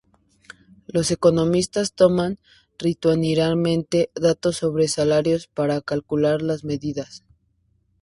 Los economistas toman rutinariamente datos sobre salarios para calcular las medias.